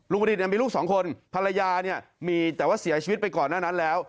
ประดิษฐ์มีลูกสองคนภรรยาเนี่ยมีแต่ว่าเสียชีวิตไปก่อนหน้านั้นแล้ว